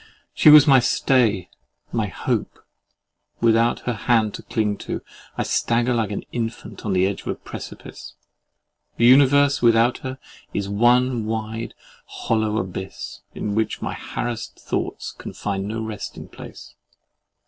She was my stay, my hope: without her hand to cling to, I stagger like an infant on the edge of a precipice. The universe without her is one wide, hollow abyss, in which my harassed thoughts can find no resting place.